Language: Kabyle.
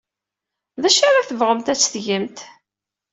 D acu ara tebɣumt ad t-tgemt?